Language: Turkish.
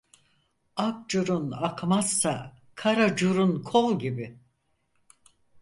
Ak curun akmazsa kara curun kol gibi.